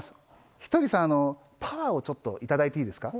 ひとりさん、パワーをちょっと頂いていいですか？